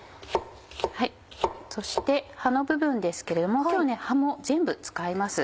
そして葉の部分ですけれども今日は葉も全部使います。